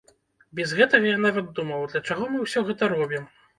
Без гэтага я нават думаў, а для чаго мы ўсё гэта робім?